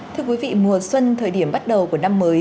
thưa quý vị mùa xuân thời điểm bắt đầu của năm mới